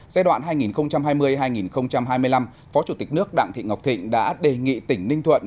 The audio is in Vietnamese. giai đoạn hai nghìn hai mươi hai nghìn hai mươi năm phó chủ tịch nước đặng thị ngọc thịnh đã đề nghị tỉnh ninh thuận